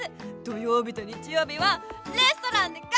土曜日と日曜日はレストランで外食！